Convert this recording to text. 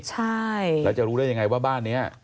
ใช่แล้วจะรู้ได้ยังไงว่าบ้านนี้